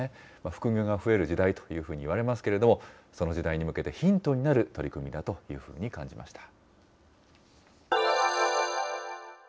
副業が増える時代というふうにいわれますけれども、その時代に向けてヒントになる取り組みだというふうに感じました。